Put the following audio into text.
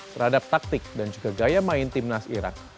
terhadap taktik dan juga gaya main timnas irak